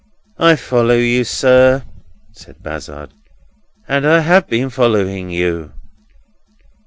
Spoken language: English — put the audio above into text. "I follow you, sir," said Bazzard, "and I have been following you."